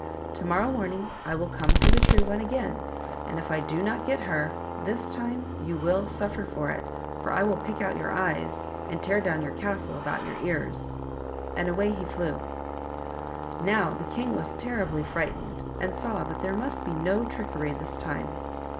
To morrow morning I will come for the true one again, and if I do not get her this time you will suffer for it, for I will pick out your eyes and tear down your castle about your ears !" And away he flew. And now the king was terribly frightened, and saw that there must be no trickery this time.